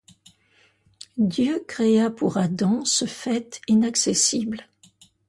Dieu créa pour Adam ce faîte inaccessible.